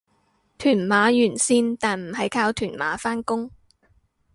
屯馬沿線但唔係靠屯馬返工